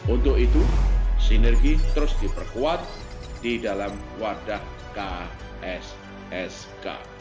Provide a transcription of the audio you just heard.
untuk itu sinergi terus diperkuat di dalam wadah kssk